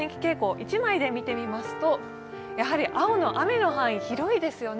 １枚で見てみますとやはり青の雨の範囲、広いですよね